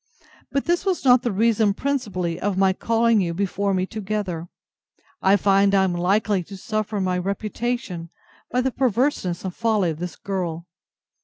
But this was not the reason principally of my calling you before me together. I find I am likely to suffer in my reputation by the perverseness and folly of this girl.